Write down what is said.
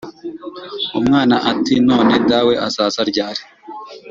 Umwana ati"none dawe azaza ryari?"